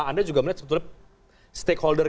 anda juga melihat sebetulnya stakeholder